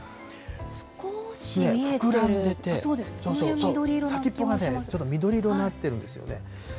これ、膨らんでて、そうそう、先っぽがちょっと緑色になってるんですよね。